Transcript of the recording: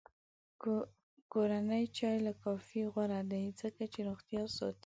کورنی چای له کافي غوره دی، ځکه چې روغتیا ساتي.